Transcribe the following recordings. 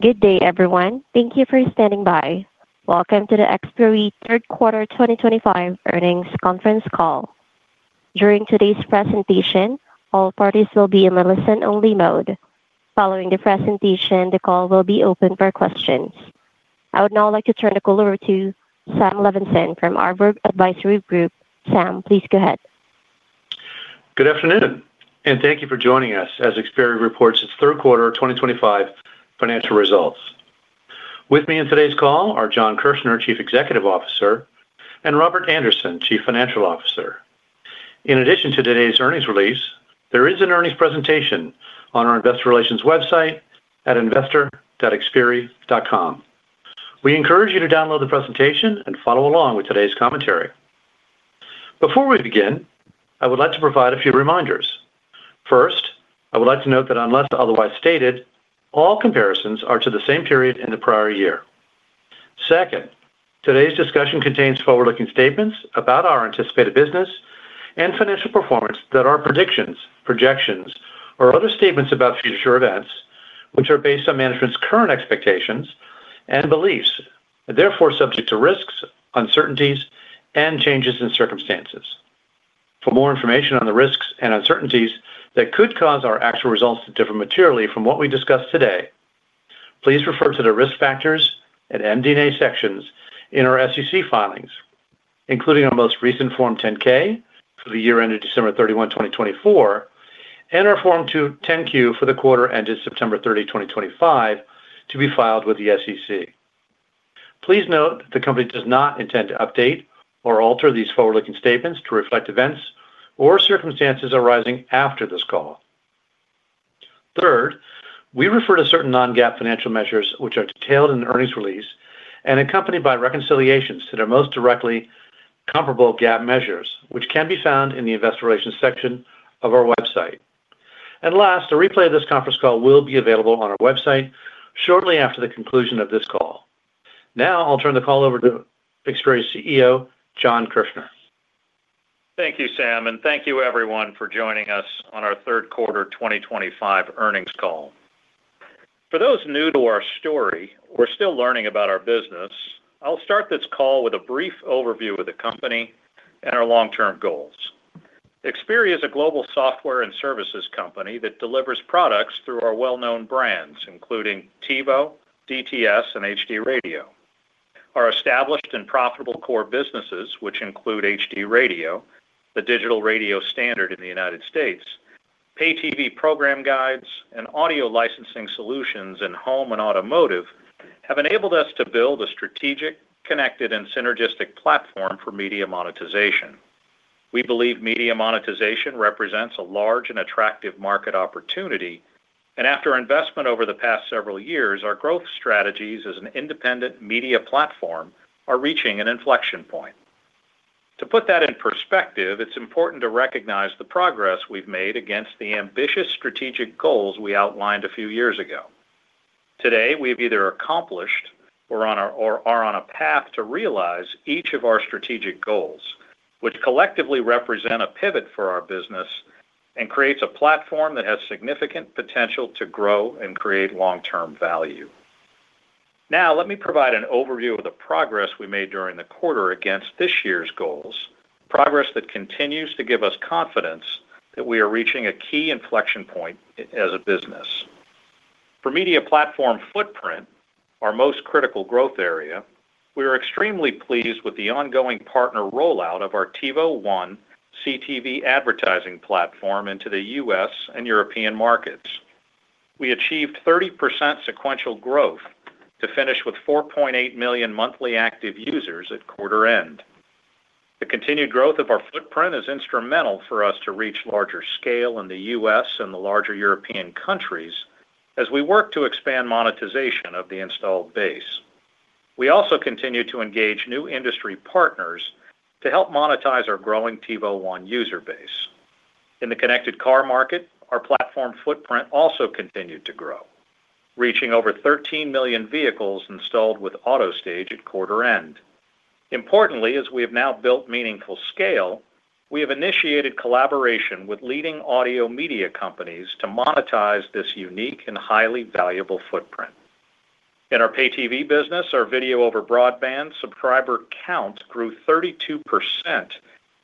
Good day, everyone. Thank you for standing by. Welcome to the Xperi third quarter 2025 earnings conference call. During today's presentation, all parties will be in a listen-only mode. Following the presentation, the call will be open for questions. I would now like to turn the call over to Sam Levenson from Arbor Advisory Group. Sam, please go ahead. Good afternoon, and thank you for joining us as Xperi reports its third quarter 2025 financial results. With me in today's call are Jon Kirchner, Chief Executive Officer, and Robert Andersen, Chief Financial Officer. In addition to today's earnings release, there is an earnings presentation on our investor relations website at investor.xperi.com. We encourage you to download the presentation and follow along with today's commentary. Before we begin, I would like to provide a few reminders. First, I would like to note that unless otherwise stated, all comparisons are to the same period in the prior year. Second, today's discussion contains forward-looking statements about our anticipated business and financial performance that are predictions, projections, or other statements about future events which are based on management's current expectations and beliefs, and therefore subject to risks, uncertainties, and changes in circumstances. For more information on the risks and uncertainties that could cause our actual results to differ materially from what we discussed today, please refer to the risk factors and MD&A sections in our SEC filings, including our most recent Form 10-K for the year ended December 31, 2024. And our Form 10-Q for the quarter ended September 30, 2025, to be filed with the SEC. Please note that the company does not intend to update or alter these forward-looking statements to reflect events or circumstances arising after this call. Third, we refer to certain non-GAAP financial measures which are detailed in the earnings release and accompanied by reconciliations to their most directly comparable GAAP measures, which can be found in the investor relations section of our website. And last, a replay of this conference call will be available on our website shortly after the conclusion of this call. Now I'll turn the call over to Xperi CEO, John Kirchner. Thank you, Sam, and thank you, everyone, for joining us on our third quarter 2025 earnings call. For those new to our story, we're still learning about our business. I'll start this call with a brief overview of the company and our long-term goals. Xperi is a global software and services company that delivers products through our well-known brands, including TiVo, DTS, and HD Radio. Our established and profitable core businesses, which include HD Radio, the digital radio standard in the United States, pay-TV program guides, and audio licensing solutions in home and automotive, have enabled us to build a strategic, connected, and synergistic platform for media monetization. We believe media monetization represents a large and attractive market opportunity, and after investment over the past several years, our growth strategies as an independent media platform are reaching an inflection point. To put that in perspective, it's important to recognize the progress we've made against the ambitious strategic goals we outlined a few years ago. Today, we've either accomplished or are on a path to realize each of our strategic goals, which collectively represent a pivot for our business. And creates a platform that has significant potential to grow and create long-term value. Now, let me provide an overview of the progress we made during the quarter against this year's goals, progress that continues to give us confidence that we are reaching a key inflection point as a business. For media platform footprint, our most critical growth area, we are extremely pleased with the ongoing partner rollout of our TiVo One CTV advertising platform into the U.S. and European markets. We achieved 30% sequential growth to finish with 4.8 million monthly active users at quarter-end. The continued growth of our footprint is instrumental for us to reach larger scale in the U.S. and the larger European countries as we work to expand monetization of the installed base. We also continue to engage new industry partners to help monetize our growing TiVo One user base. In the connected car market, our platform footprint also continued to grow, reaching over 13 million vehicles installed with AutoStage at quarter-end. Importantly, as we have now built meaningful scale, we have initiated collaboration with leading audio media companies to monetize this unique and highly valuable footprint. In our pay-TV business, our video over broadband subscriber count grew 32%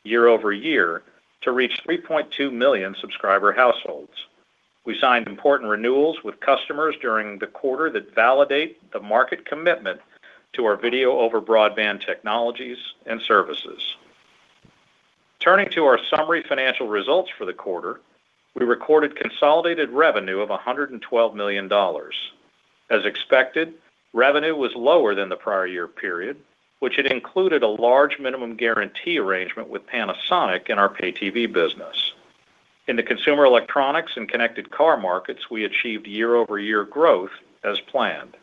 year over year to reach 3.2 million subscriber households. We signed important renewals with customers during the quarter that validate the market commitment to our video over broadband technologies and services. Turning to our summary financial results for the quarter, we recorded consolidated revenue of $112 million. As expected, revenue was lower than the prior year period, which had included a large minimum guarantee arrangement with Panasonic in our pay-TV business. In the consumer electronics and connected car markets, we achieved year-over-year growth as planned.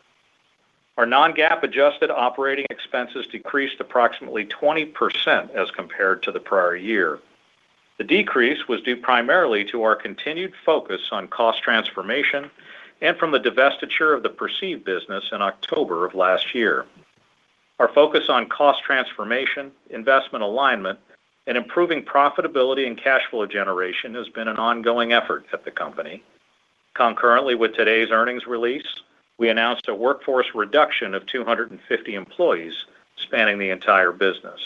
Our non-GAAP adjusted operating expenses decreased approximately 20% as compared to the prior year. The decrease was due primarily to our continued focus on cost transformation and from the divestiture of the perceived business in October of last year. Our focus on cost transformation, investment alignment, and improving profitability and cash flow generation has been an ongoing effort at the company. Concurrently with today's earnings release, we announced a workforce reduction of 250 employees spanning the entire business.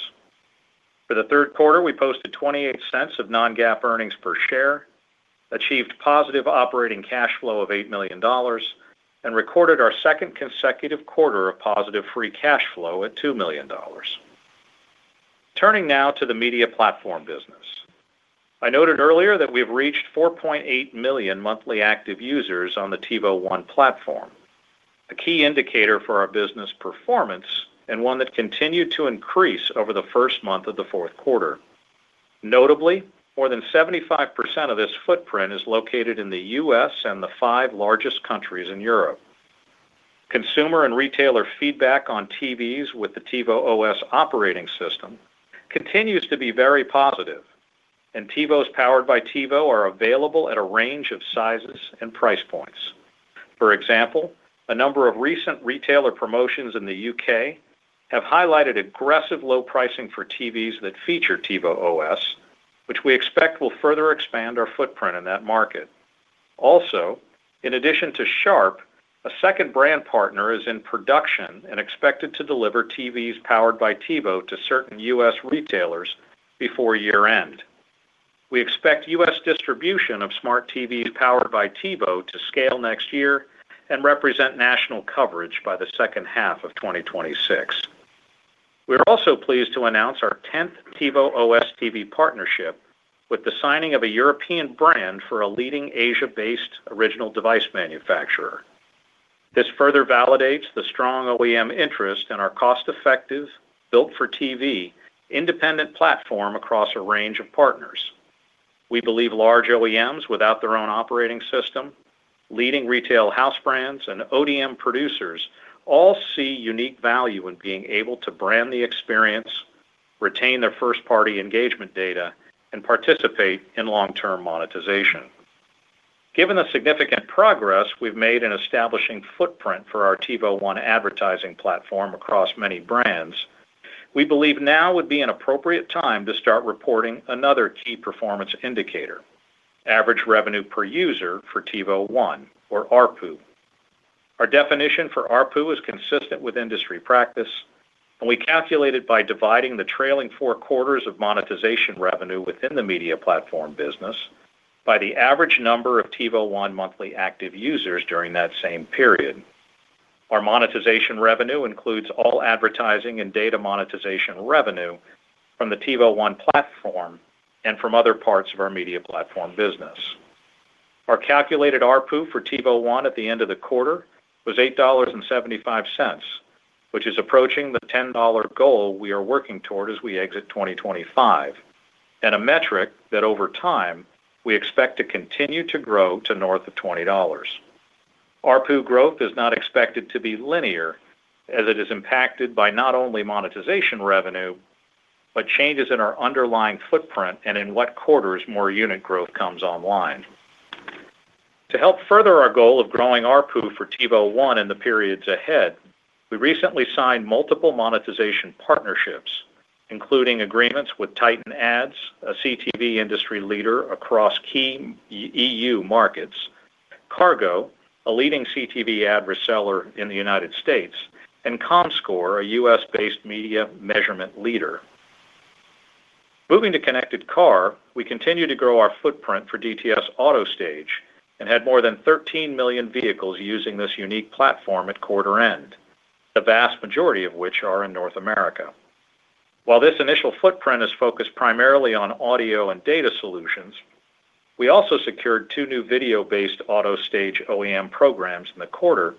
For the third quarter, we posted 28 cents of non-GAAP earnings per share, achieved positive operating cash flow of $8 million, and recorded our second consecutive quarter of positive free cash flow at $2 million. Turning now to the media platform business. I noted earlier that we have reached 4.8 million monthly active users on the TiVo One platform. A key indicator for our business performance and one that continued to increase over the first month of the fourth quarter. Notably, more than 75% of this footprint is located in the U.S. and the five largest countries in Europe. Consumer and retailer feedback on TVs with the TiVo OS operating system continues to be very positive, and TiVos powered by TiVo are available at a range of sizes and price points. For example, a number of recent retailer promotions in the U.K. have highlighted aggressive low pricing for TVs that feature TiVo OS, which we expect will further expand our footprint in that market. Also, in addition to Sharp, a second brand partner is in production and expected to deliver TVs powered by TiVo to certain U.S. retailers before year-end. We expect U.S. distribution of smart TVs powered by TiVo to scale next year and represent national coverage by the second half of 2026. We're also pleased to announce our 10th TiVo OS TV partnership with the signing of a European brand for a leading Asia-based original device manufacturer. This further validates the strong OEM interest in our cost-effective, built-for-TV independent platform across a range of partners. We believe large OEMs without their own operating system, leading retail house brands, and ODM producers all see unique value in being able to brand the experience, retain their first-party engagement data, and participate in long-term monetization. Given the significant progress we've made in establishing footprint for our TiVo One advertising platform across many brands, we believe now would be an appropriate time to start reporting another key performance indicator: average revenue per user for TiVo One, or ARPU. Our definition for ARPU is consistent with industry practice, and we calculate it by dividing the trailing four quarters of monetization revenue within the media platform business by the average number of TiVo One monthly active users during that same period. Our monetization revenue includes all advertising and data monetization revenue from the TiVo One platform and from other parts of our media platform business. Our calculated ARPU for TiVo One at the end of the quarter was $8.75. Which is approaching the $10 goal we are working toward as we exit 2025. And a metric that over time we expect to continue to grow to north of $20. ARPU growth is not expected to be linear as it is impacted by not only monetization revenue but changes in our underlying footprint and in what quarters more unit growth comes online. To help further our goal of growing ARPU for TiVo One in the periods ahead, we recently signed multiple monetization partnerships, including agreements with Titan Ads, a CTV industry leader across key E.U. markets; Kargo, a leading CTV ad reseller in the United States; and Comscore, a U.S.-based media measurement leader. Moving to connected car, we continue to grow our footprint for DTS AutoStage and had more than 13 million vehicles using this unique platform at quarter-end, the vast majority of which are in North America. While this initial footprint is focused primarily on audio and data solutions, we also secured two new video-based AutoStage OEM programs in the quarter.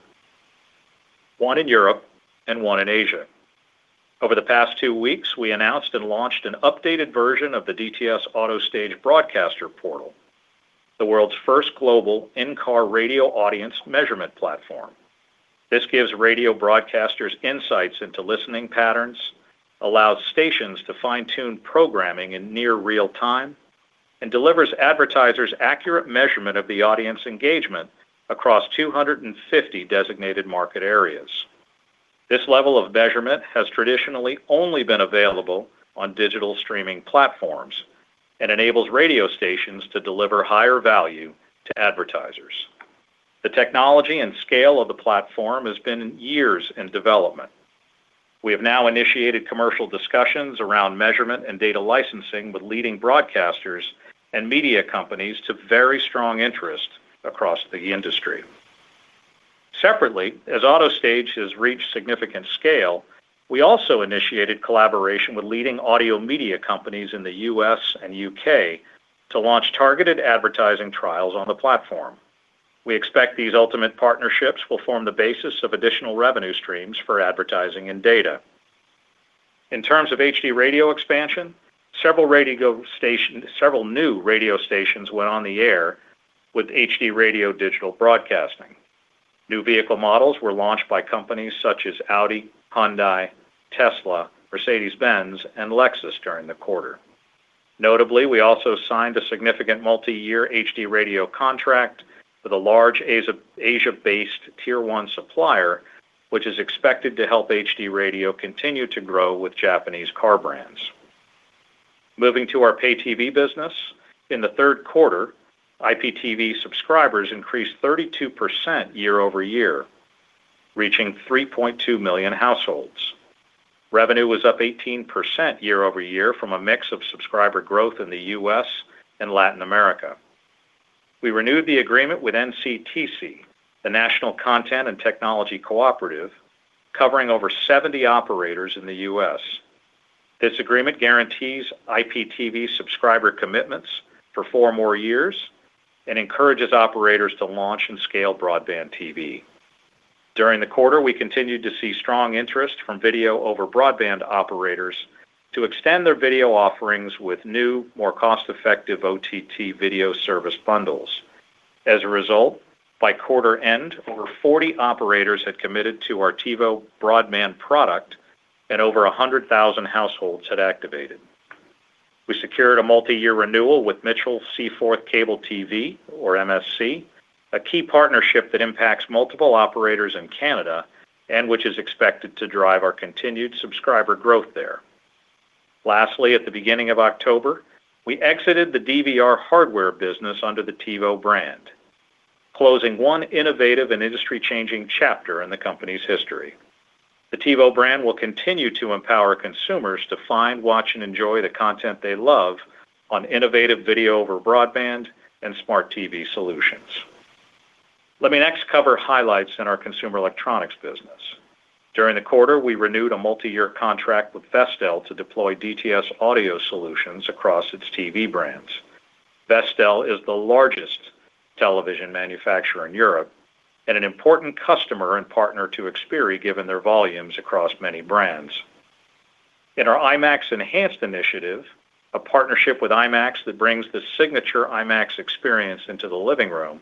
One in Europe and one in Asia. Over the past two weeks, we announced and launched an updated version of the DTS AutoStage broadcaster portal, the world's first global in-car radio audience measurement platform. This gives radio broadcasters insights into listening patterns, allows stations to fine-tune programming in near real time, and delivers advertisers' accurate measurement of the audience engagement across 250 designated market areas. This level of measurement has traditionally only been available on digital streaming platforms and enables radio stations to deliver higher value to advertisers. The technology and scale of the platform has been years in development. We have now initiated commercial discussions around measurement and data licensing with leading broadcasters and media companies to very strong interest across the industry. Separately, as AutoStage has reached significant scale, we also initiated collaboration with leading audio media companies in the U.S. and U.K. to launch targeted advertising trials on the platform. We expect these ultimate partnerships will form the basis of additional revenue streams for advertising and data. In terms of HD radio expansion, several new radio stations went on the air with HD radio digital broadcasting. New vehicle models were launched by companies such as Audi, Hyundai, Tesla, Mercedes-Benz, and Lexus during the quarter. Notably, we also signed a significant multi-year HD radio contract with a large Asia-based tier-one supplier, which is expected to help HD radio continue to grow with Japanese car brands. Moving to our pay-TV business, in the third quarter, IPTV subscribers increased 32% year over year, reaching 3.2 million households. Revenue was up 18% year over year from a mix of subscriber growth in the U.S. and Latin America. We renewed the agreement with NCTC, the National Content and Technology Cooperative, covering over 70 operators in the U.S. This agreement guarantees IPTV subscriber commitments for four more years and encourages operators to launch and scale broadband TV. During the quarter, we continued to see strong interest from video over broadband operators to extend their video offerings with new, more cost-effective OTT video service bundles. As a result, by quarter-end, over 40 operators had committed to our TiVo broadband product, and over 100,000 households had activated. We secured a multi-year renewal with Mitchell Seaforth Cable TV, or MSC, a key partnership that impacts multiple operators in Canada and which is expected to drive our continued subscriber growth there. Lastly, at the beginning of October, we exited the DVR hardware business under the TiVo brand. Closing one innovative and industry-changing chapter in the company's history. The TiVo brand will continue to empower consumers to find, watch, and enjoy the content they love on innovative video over broadband and smart TV solutions. Let me next cover highlights in our consumer electronics business. During the quarter, we renewed a multi-year contract with Vestel to deploy DTS audio solutions across its TV brands. Vestel is the largest television manufacturer in Europe and an important customer and partner to Xperi, given their volumes across many brands. In our IMAX Enhanced initiative, a partnership with IMAX that brings the signature IMAX experience into the living room,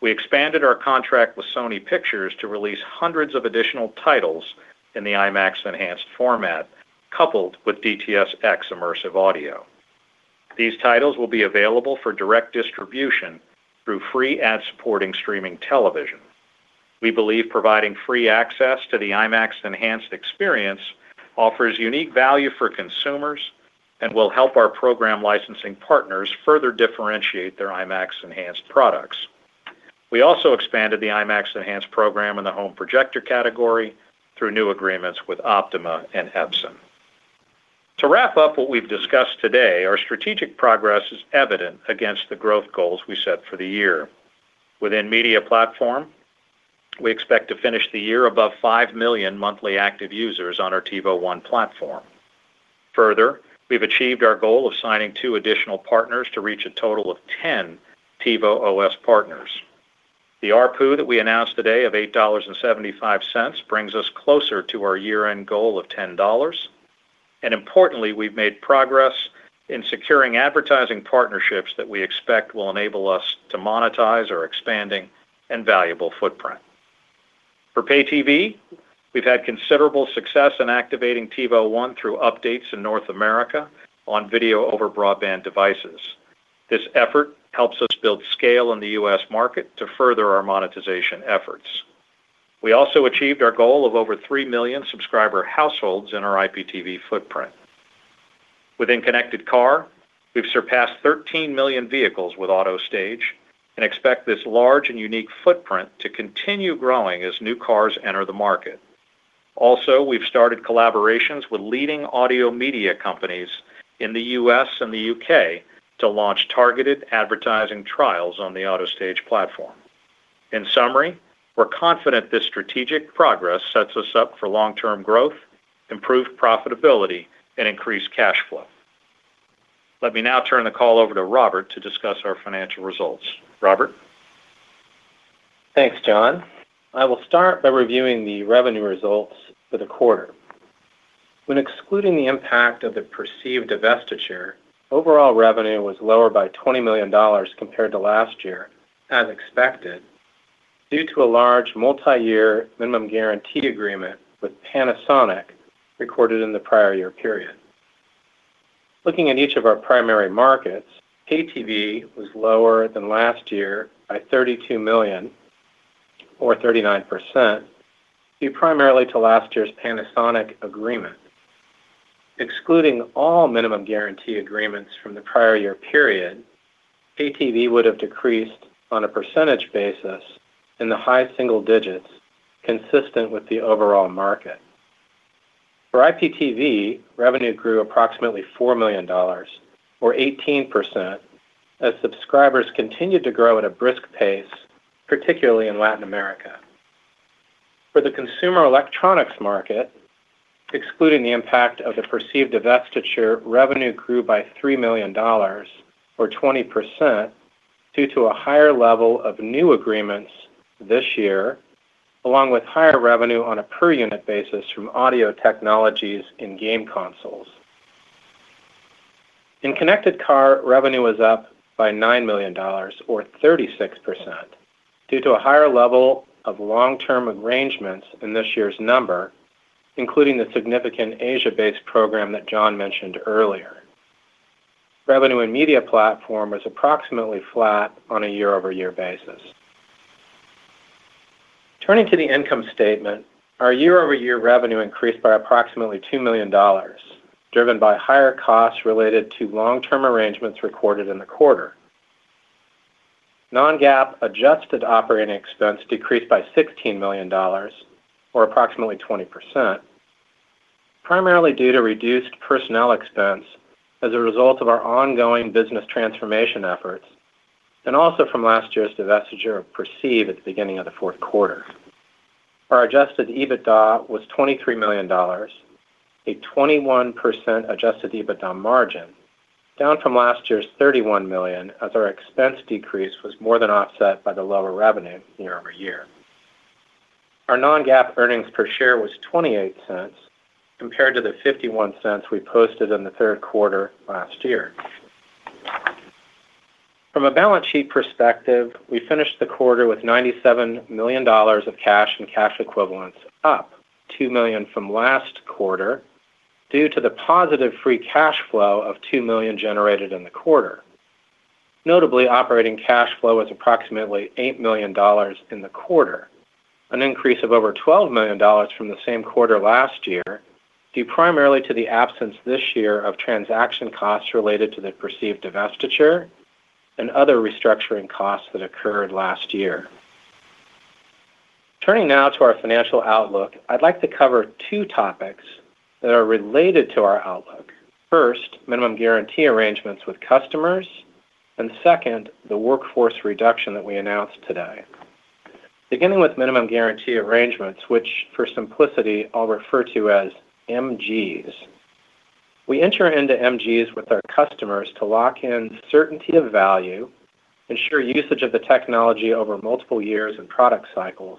we expanded our contract with Sony Pictures to release hundreds of additional titles in the IMAX Enhanced format, coupled with DTS:X immersive audio. These titles will be available for direct distribution through free ad-supporting streaming television. We believe providing free access to the IMAX Enhanced experience offers unique value for consumers and will help our program licensing partners further differentiate their IMAX Enhanced products. We also expanded the IMAX Enhanced program in the home projector category through new agreements with Optoma and Epson. To wrap up what we've discussed today, our strategic progress is evident against the growth goals we set for the year. Within media platform. We expect to finish the year above 5 million monthly active users on our TiVo One platform. Further, we've achieved our goal of signing two additional partners to reach a total of 10 TiVo OS partners. The ARPU that we announced today of $8.75 brings us closer to our year-end goal of $10. And importantly, we've made progress in securing advertising partnerships that we expect will enable us to monetize our expanding and valuable footprint. For pay-TV, we've had considerable success in activating TiVo One through updates in North America on video over broadband devices. This effort helps us build scale in the U.S. market to further our monetization efforts. We also achieved our goal of over 3 million subscriber households in our IPTV footprint. Within connected car, we've surpassed 13 million vehicles with AutoStage and expect this large and unique footprint to continue growing as new cars enter the market. Also, we've started collaborations with leading audio media companies in the U.S. and the U.K. to launch targeted advertising trials on the AutoStage platform. In summary, we're confident this strategic progress sets us up for long-term growth, improved profitability, and increased cash flow. Let me now turn the call over to Robert to discuss our financial results. Robert? Thanks, John. I will start by reviewing the revenue results for the quarter. When excluding the impact of the perceived divestiture, overall revenue was lower by $20 million compared to last year, as expected, due to a large multi-year minimum guarantee agreement with Panasonic recorded in the prior year period. Looking at each of our primary markets, pay-TV was lower than last year by 32 million, or 39%. Due primarily to last year's Panasonic agreement. Excluding all minimum guarantee agreements from the prior year period. Pay-TV would have decreased on a percentage basis in the high single digits consistent with the overall market. For IPTV, revenue grew approximately $4 million, or 18%. As subscribers continued to grow at a brisk pace, particularly in Latin America. For the consumer electronics market. Excluding the impact of the perceived divestiture, revenue grew by $3 million, or 20%. Due to a higher level of new agreements this year, along with higher revenue on a per-unit basis from audio technologies in game consoles. In connected car, revenue was up by $9 million, or 36%, due to a higher level of long-term arrangements in this year's number. Including the significant Asia-based program that John mentioned earlier. Revenue in media platform was approximately flat on a year-over-year basis. Turning to the income statement, our year-over-year revenue increased by approximately $2 million, driven by higher costs related to long-term arrangements recorded in the quarter. Non-GAAP adjusted operating expense decreased by $16 million, or approximately 20%. Primarily due to reduced personnel expense as a result of our ongoing business transformation efforts, and also from last year's divestiture of perceived at the beginning of the fourth quarter. Our adjusted EBITDA was $23 million. A 21% adjusted EBITDA margin, down from last year's 31 million, as our expense decrease was more than offset by the lower revenue year-over-year. Our non-GAAP earnings per share was $0.28 cents, compared to the $0.51 cents we posted in the third quarter last year. From a balance sheet perspective, we finished the quarter with $97 million of cash and cash equivalents up $2 million from last quarter, due to the positive free cash flow of $2 million generated in the quarter. Notably, operating cash flow was approximately $8 million in the quarter, an increase of over $12 million from the same quarter last year, due primarily to the absence this year of transaction costs related to the perceived divestiture and other restructuring costs that occurred last year. Turning now to our financial outlook, I'd like to cover two topics that are related to our outlook. First, minimum guarantee arrangements with customers, and second, the workforce reduction that we announced today. Beginning with minimum guarantee arrangements, which for simplicity, I'll refer to as MGs. We enter into MGs with our customers to lock in certainty of value, ensure usage of the technology over multiple years and product cycles,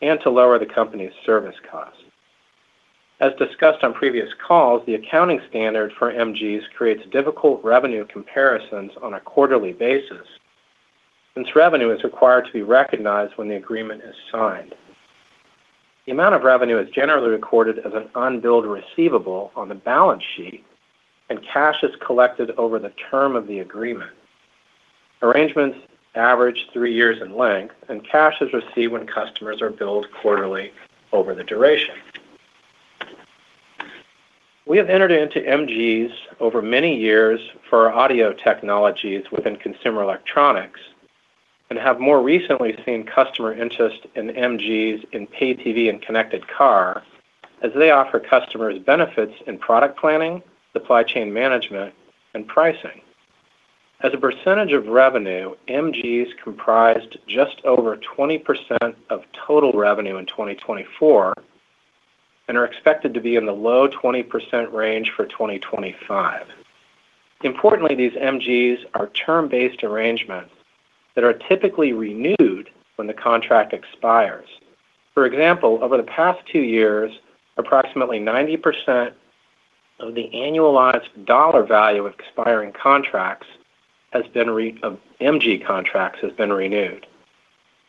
and to lower the company's service costs. As discussed on previous calls, the accounting standard for MGs creates difficult revenue comparisons on a quarterly basis. Since revenue is required to be recognized when the agreement is signed. The amount of revenue is generally recorded as an unbilled receivable on the balance sheet, and cash is collected over the term of the agreement. Arrangements average three years in length, and cash is received when customers are billed quarterly over the duration. We have entered into MGs over many years for audio technologies within consumer electronics and have more recently seen customer interest in MGs in pay-TV and connected car, as they offer customers benefits in product planning, supply chain management, and pricing. As a percentage of revenue, MGs comprised just over 20% of total revenue in 2024. And are expected to be in the low 20% range for 2025. Importantly, these MGs are term-based arrangements that are typically renewed when the contract expires. For example, over the past two years, approximately 90%. Of the annualized dollar value of expiring contracts has been renewed.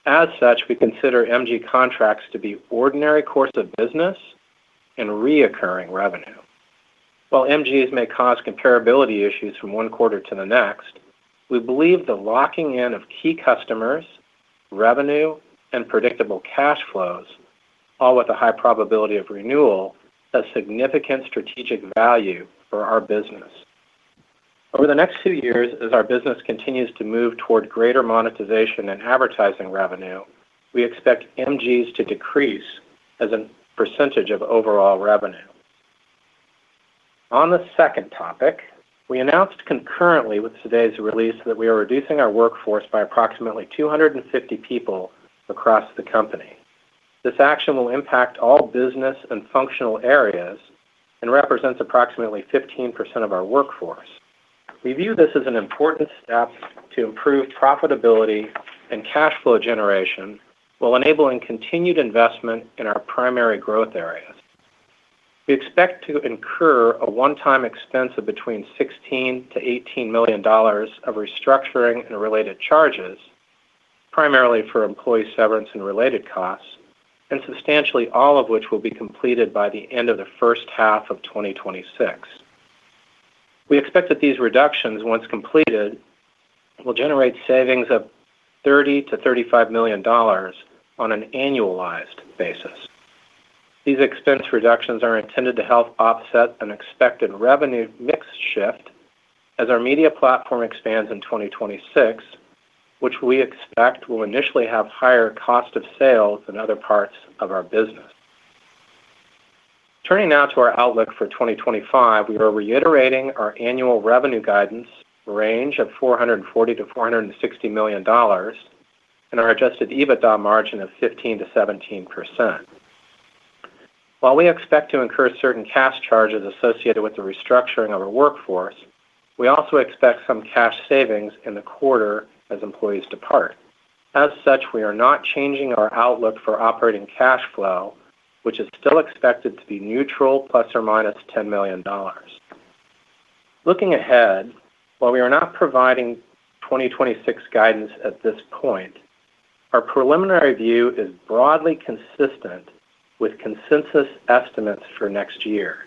As such, we consider MG contracts to be ordinary course of business. And reoccurring revenue. While MGs may cause comparability issues from one quarter to the next, we believe the locking in of key customers, revenue, and predictable cash flows, all with a high probability of renewal, has significant strategic value for our business. Over the next two years, as our business continues to move toward greater monetization and advertising revenue, we expect MGs to decrease as a percentage of overall revenue. On the second topic, we announced concurrently with today's release that we are reducing our workforce by approximately 250 people across the company. This action will impact all business and functional areas and represents approximately 15% of our workforce. We view this as an important step to improve profitability and cash flow generation while enabling continued investment in our primary growth areas. We expect to incur a one-time expense of between $16 to $18 million of restructuring and related charges. Primarily for employee severance and related costs, and substantially all of which will be completed by the end of the first half of 2026. We expect that these reductions, once completed, will generate savings of $30 million-$35 million on an annualized basis. These expense reductions are intended to help offset an expected revenue mix shift as our media platform expands in 2026, which we expect will initially have higher cost of sales than other parts of our business. Turning now to our outlook for 2025, we are reiterating our annual revenue guidance range of $440 million-$460 million. And our adjusted EBITDA margin of 15% to 17%. While we expect to incur certain cash charges associated with the restructuring of our workforce, we also expect some cash savings in the quarter as employees depart. As such, we are not changing our outlook for operating cash flow, which is still expected to be neutral, plus or minus $10 million. Looking ahead, while we are not providing 2026 guidance at this point. Our preliminary view is broadly consistent with consensus estimates for next year.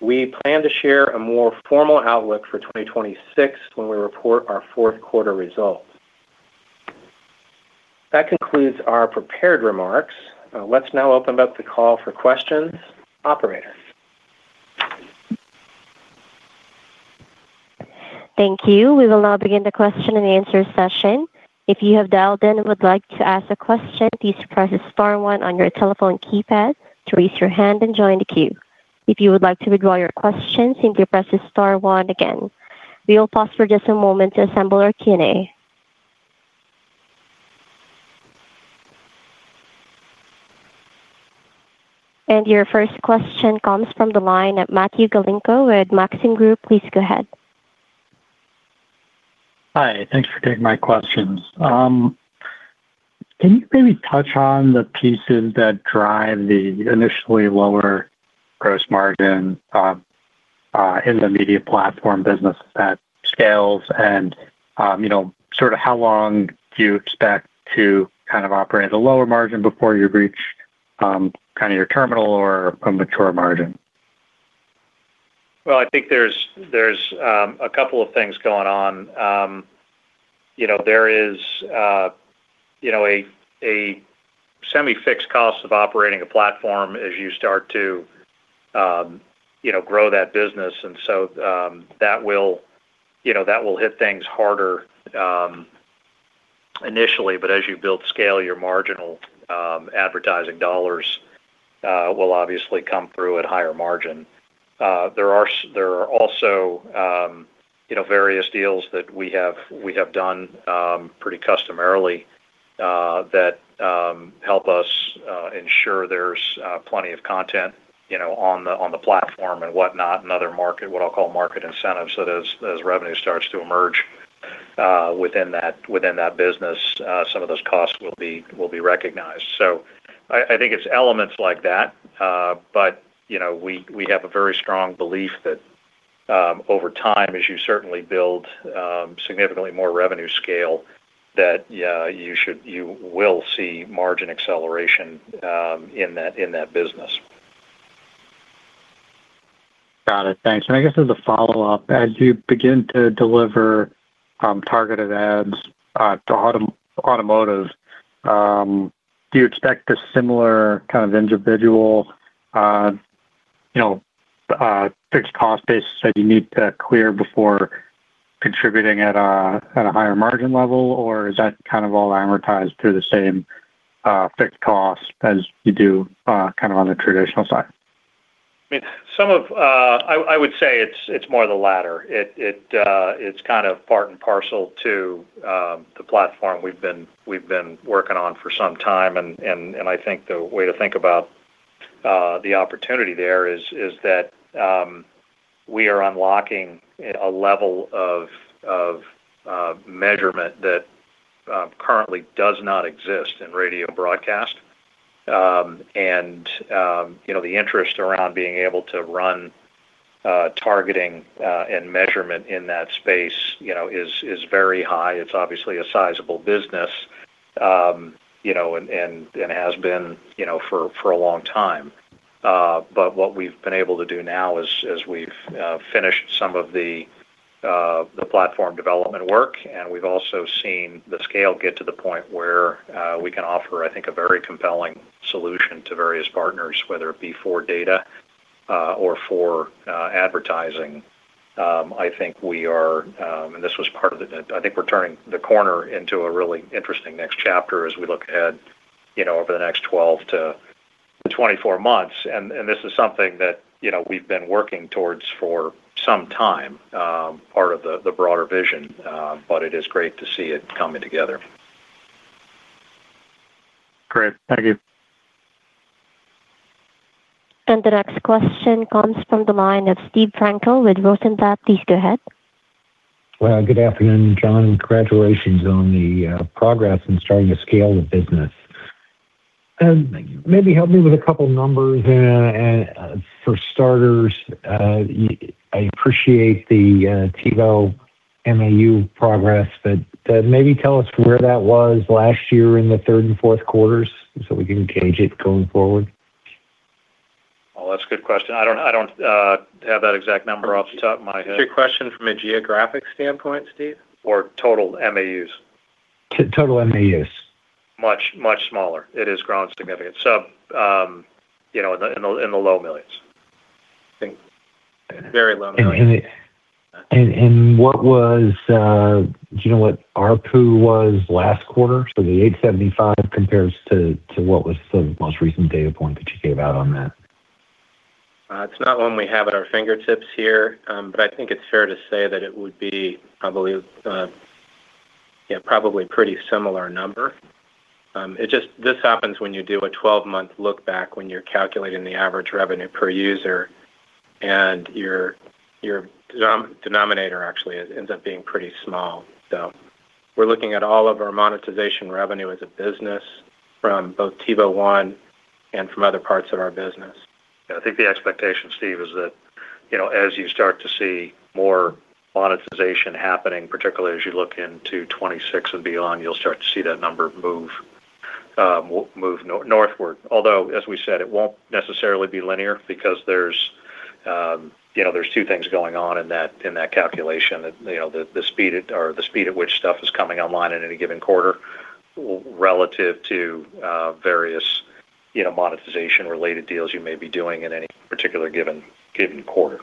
We plan to share a more formal outlook for 2026 when we report our fourth quarter results. That concludes our prepared remarks. Let's now open up the call for questions. Operator. Thank you. We will now begin the question and answer session. If you have dialed in and would like to ask a question, please press the star one on your telephone keypad to raise your hand and join the queue. If you would like to withdraw your question, simply press the star one again. We will pause for just a moment to assemble our Q&A. And your first question comes from the line of Matthew Galinko with Maxine Group. Please go ahead. Hi. Thanks for taking my questions. Can you maybe touch on the pieces that drive the initially lower gross margin. In the media platform business that scales and. Sort of how long do you expect to kind of operate at a lower margin before you reach kind of your terminal or a mature margin? Well, I think there's a couple of things going on. There is. A. Semi-fixed cost of operating a platform as you start to. Grow that business. And so that will. Hit things harder. Initially, but as you build scale, your marginal. Advertising dollars. Will obviously come through at a higher margin. There are also various deals that we have done pretty customarily. That help us ensure there's plenty of content on the platform and whatnot and other market, what I'll call market incentives, so that as revenue starts to emerge. Within that business, some of those costs will be recognized. So I think it's elements like that. But. We have a very strong belief that. Over time, as you certainly build significantly more revenue scale, that you will see margin acceleration in that business. Got it. Thanks. And I guess as a follow-up, as you begin to deliver. Targeted ads to automotive. Do you expect a similar kind of individual. Fixed cost base that you need to clear before. Contributing at a higher margin level, or is that kind of all amortized through the same. Fixed cost as you do kind of on the traditional side? I mean, I would say it's more of the latter. It's kind of part and parcel to. The platform we've been working on for some time. And I think the way to think about. The opportunity there is that. We are unlocking a level of. Measurement that. Currently does not exist in radio broadcast. And. The interest around being able to run. Targeting and measurement in that space is very high. It's obviously a sizable business. And has been for a long time. But what we've been able to do now is we've finished some of the. Platform development work, and we've also seen the scale get to the point where we can offer, I think, a very compelling solution to various partners, whether it be for data. Or for advertising. I think we are, and this was part of the, I think we're turning the corner into a really interesting next chapter as we look ahead over the next 12 to 24 months. And this is something that we've been working towards for some time, part of the broader vision, but it is great to see it coming together. Great. Thank you. And the next question comes from the line of Steve Frankel with Rosenblatt. Please go ahead. Well, good afternoon, John. Congratulations on the progress in starting to scale the business. Maybe help me with a couple of numbers. For starters. I appreciate the TiVo MAU progress, but maybe tell us where that was last year in the third and fourth quarters so we can gauge it going forward. Well, that's a good question. I don't have that exact number off the top of my head. Is your question from a geographic standpoint, Steve? Or total MAUs? Total MAUs. Much smaller. It has grown significantly. So. In the low millions. Very low millions. And do you know what ARPU was last quarter? So the 875 compares to what was the most recent data point that you gave out on that. It's not one we have at our fingertips here, but I think it's fair to say that it would be, I believe. Probably a pretty similar number. This happens when you do a 12-month look back when you're calculating the average revenue per user, and your. Denominator actually ends up being pretty small. So we're looking at all of our monetization revenue as a business from both TiVo One and from other parts of our business. I think the expectation, Steve, is that as you start to see more monetization happening, particularly as you look into 2026 and beyond, you'll start to see that number move. Northward. Although, as we said, it won't necessarily be linear because there's. Two things going on in that calculation. The speed at which stuff is coming online in any given quarter. Relative to. Various. Monetization-related deals you may be doing in any particular given quarter.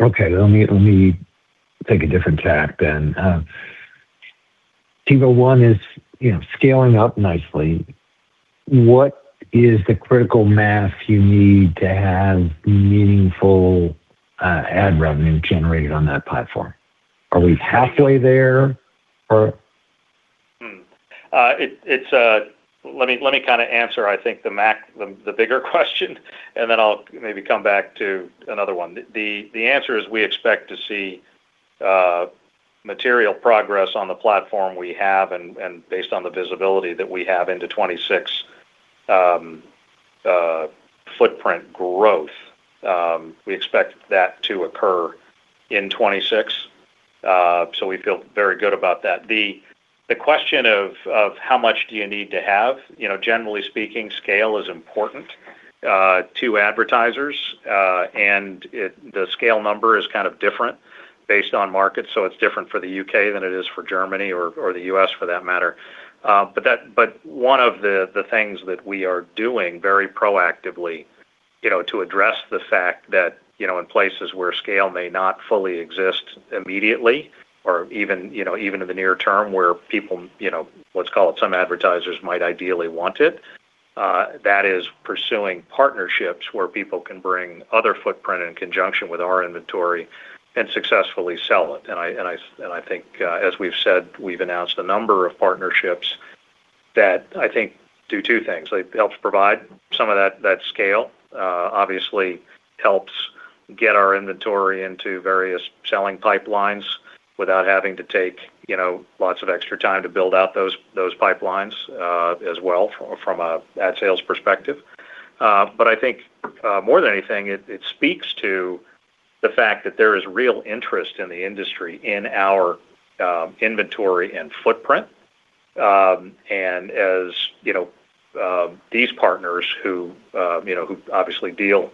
Okay. Let me take a different tack then. TiVo One is scaling up nicely. What is the critical mass you need to have meaningful. Ad revenue generated on that platform? Are we halfway there, or? Let me kind of answer, I think, the. Bigger question, and then I'll maybe come back to another one. The answer is we expect to see. Material progress on the platform we have and based on the visibility that we have into 2026. Footprint growth. We expect that to occur in 2026. So we feel very good about that. The question of how much do you need to have, generally speaking, scale is important. To advertisers, and the scale number is kind of different based on market. So it's different for the U.K. than it is for Germany or the U.S. for that matter. But one of the things that we are doing very proactively to address the fact that in places where scale may not fully exist immediately or even in the near term where people. Let's call it some advertisers might ideally want it. That is pursuing partnerships where people can bring other footprint in conjunction with our inventory and successfully sell it. And I think, as we've said, we've announced a number of partnerships that I think do two things. It helps provide some of that scale. Obviously, it helps get our inventory into various selling pipelines without having to take lots of extra time to build out those pipelines as well from an ad sales perspective. But I think more than anything, it speaks to. The fact that there is real interest in the industry in our. Inventory and footprint. And as. These partners who. Obviously deal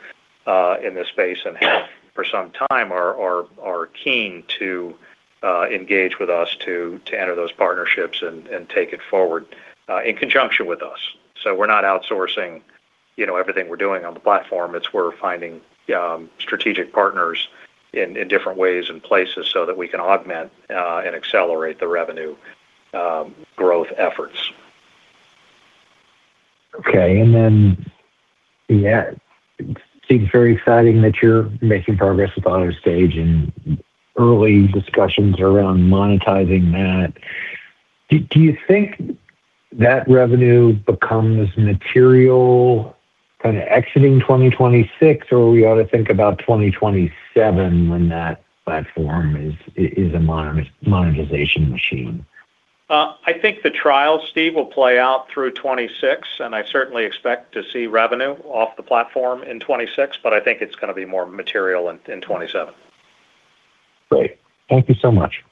in this space and have for some time are keen to. Engage with us to enter those partnerships and take it forward in conjunction with us. So we're not outsourcing everything we're doing on the platform. It's we're finding strategic partners in different ways and places so that we can augment and accelerate the revenue. Growth efforts. Okay. And then. Yeah. It seems very exciting that you're making progress with AutoStage and early discussions around monetizing that. Do you think that revenue becomes material. Kind of exiting 2026, or are we going to think about 2027 when that platform is a monetization machine? I think the trial, Steve, will play out through 2026, and I certainly expect to see revenue off the platform in 2026, but I think it's going to be more material in 2027. Great. Thank you so much.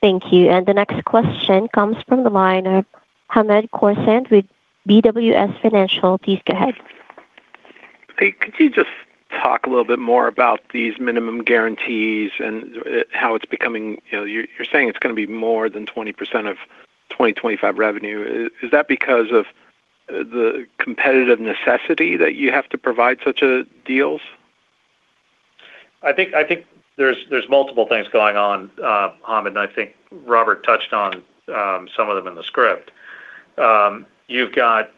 Thank you. And the next question comes from the line of Hamed Khorsand with BWS Financial. Please go ahead. Hey, could you just talk a little bit more about these minimum guarantees and how it's becoming—you're saying it's going to be more than 20% of 2025 revenue. Is that because of. The competitive necessity that you have to provide such deals? I think there's multiple things going on, Hamed, and I think Robert touched on some of them in the script. You've got.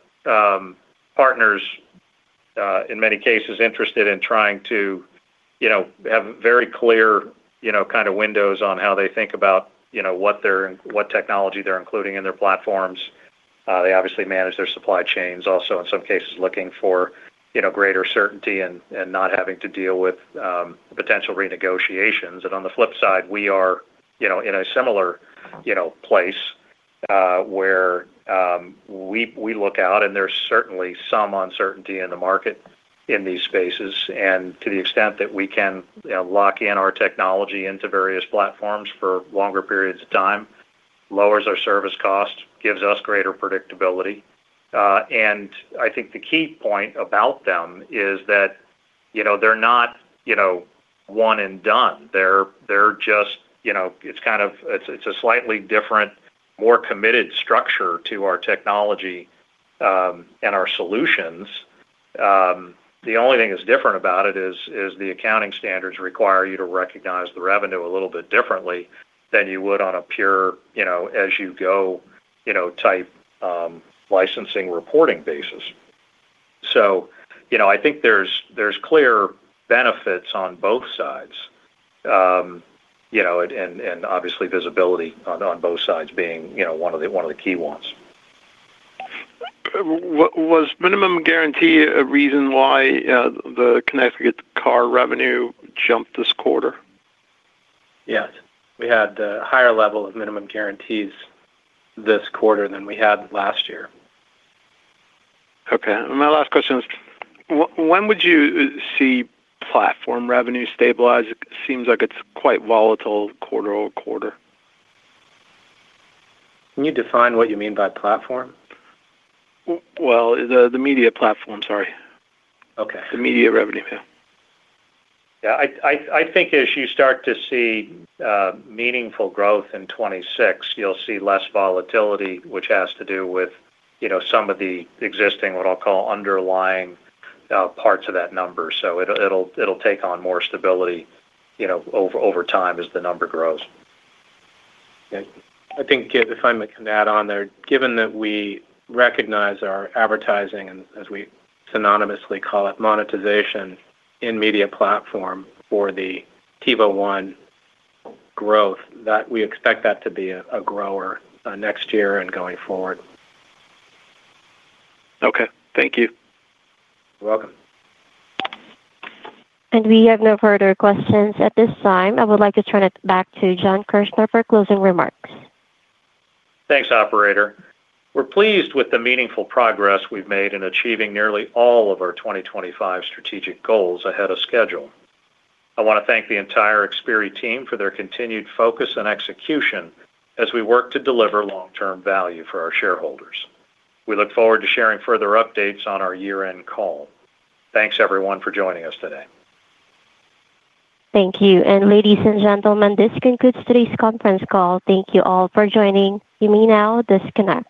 Partners. In many cases, interested in trying to. Have very clear kind of windows on how they think about what technology they're including in their platforms. They obviously manage their supply chains also, in some cases, looking for. Greater certainty and not having to deal with. Potential renegotiations. And on the flip side, we are in a similar. Place. Where. We look out, and there's certainly some uncertainty in the market in these spaces. And to the extent that we can lock in our technology into various platforms for longer periods of time, it lowers our service cost, gives us greater predictability. And I think the key point about them is that. They're not. One and done. They're just—it's kind of—it's a slightly different, more committed structure to our technology. And our solutions. The only thing that's different about it is the accounting standards require you to recognize the revenue a little bit differently than you would on a pure as-you-go. Type. Licensing reporting basis. So I think there's clear benefits on both sides. And obviously, visibility on both sides being one of the key ones. Was minimum guarantee a reason why the Connecticut car revenue jumped this quarter? Yes. We had a higher level of minimum guarantees. This quarter than we had last year. Okay. And my last question is, when would you see platform revenue stabilize? It seems like it's quite volatile quarter over quarter. Can you define what you mean by platform? Well, the media platform, sorry. The media revenue, yeah. Yeah. I think as you start to see meaningful growth in 2026, you'll see less volatility, which has to do with some of the existing, what I'll call, underlying. Parts of that number. So it'll take on more stability. Over time as the number grows. Okay. I think if I can add on there, given that we recognize our advertising, as we synonymously call it, monetization in media platform for the TiVo One. Growth, we expect that to be a grower next year and going forward. Okay. Thank you. You're welcome. And we have no further questions at this time. I would like to turn it back to John Kirchner for closing remarks. Thanks, operator. We're pleased with the meaningful progress we've made in achieving nearly all of our 2025 strategic goals ahead of schedule. I want to thank the entire Xperi team for their continued focus and execution as we work to deliver long-term value for our shareholders. We look forward to sharing further updates on our year-end call. Thanks, everyone, for joining us today. Thank you. And ladies and gentlemen, this concludes today's conference call. Thank you all for joining. You may now disconnect.